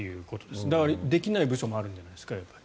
だから、できない部署もあるんじゃないですか。